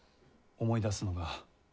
思い出すのが。